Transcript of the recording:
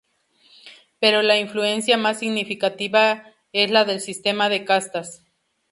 Pero la influencia más significativa es la del sistema de castas.